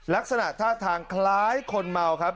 ลักษณะท่าทางคล้ายคนเมาครับ